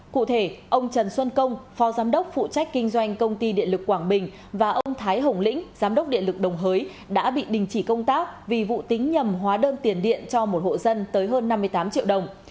cụ thể ông trần xuân công phó giám đốc phụ trách kinh doanh công ty điện lực quảng bình và ông thái hồng lĩnh giám đốc điện lực đồng hới đã bị đình chỉ công tác vì vụ tính nhầm hóa đơn tiền điện cho một hộ dân tới hơn năm mươi tám triệu đồng